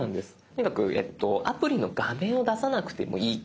とにかくアプリの画面を出さなくてもいい。